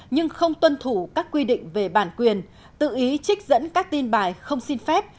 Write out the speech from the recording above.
nhưng không tuân thủ các quy định về bản quyền tự ý trích dẫn các tin bài không xin phép